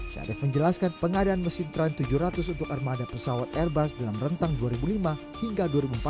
syarif menjelaskan pengadaan mesin tren tujuh ratus untuk armada pesawat airbus dalam rentang dua ribu lima hingga dua ribu empat belas